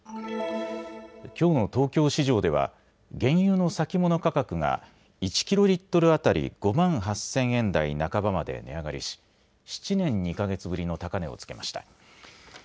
きょうの東京市場では原油の先物価格が１キロリットル当たり５万８０００円台半ばまで値上がりし７年２か月ぶりの高値をつけました。